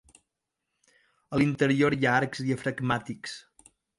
A l'interior hi ha arcs diafragmàtics.